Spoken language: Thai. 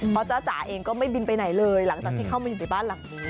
เพราะจ้าจ๋าเองก็ไม่บินไปไหนเลยหลังจากที่เข้ามาอยู่ในบ้านหลังนี้